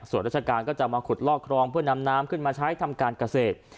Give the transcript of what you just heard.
ส่วนราชการก็จะมาขุดลอกครองเพื่อนำน้ำขึ้นมาใช้ทำการเกษตร